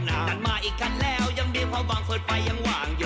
นายมาอีกขั้นแล้วยังดีนะเพราะวาง